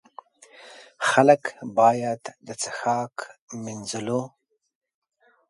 خلک باید د څښاک، مینځلو.